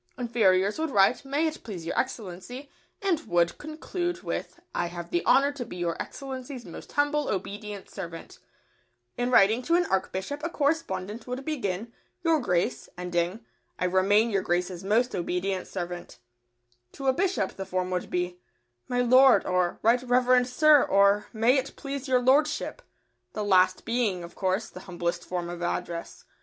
Inferiors would write "May it please your Excellency," and would conclude with "I have the honour to be Your Excellency's most humble, obedient servant." [Sidenote: An archbishop.] In writing to an archbishop a correspondent would begin "Your Grace," ending, "I remain Your Grace's most obedient servant." [Sidenote: A bishop.] To a bishop the form would be, "My Lord," or "Right Reverend Sir," or "May it please Your Lordship," the last being, of course, the humblest form of address.